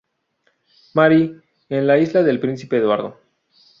Mary, en la Isla del Príncipe Eduardo.